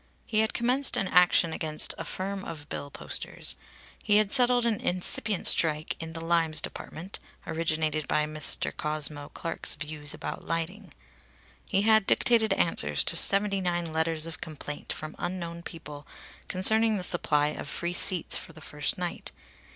He had commenced an action against a firm of bill posters. He had settled an incipient strike in the "limes" department, originated by Mr. Cosmo Clark's views about lighting. He had dictated answers to seventy nine letters of complaint from unknown people concerning the supply of free seats for the first night.